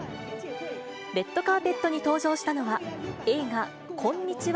レッドカーペットに登場したのは、映画、こんにちは、